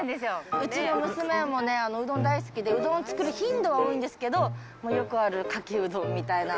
うちの娘もね、うどん大好きで、うどん作る頻度は多いんですけど、よくあるかけうどんみたいな。